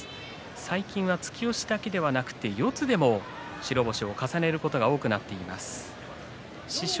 最近は突き押しだけではなくて四つでも白星を重ねることが多くなっています。